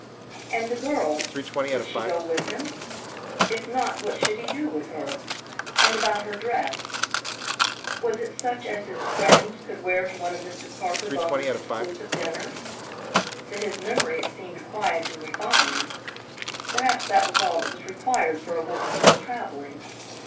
And the girl would she go with him? If not, what should he do with her? And about her dress? Was it such as his "friend" could wear to one of Mrs. Parker Bowman's exclusive dinners? To his memory, it seemed quiet and refined. Perhaps that was all that was required for a woman who was travelling.